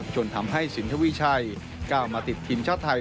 จนทำให้สินทวีชัยก้าวมาติดทีมชาติไทย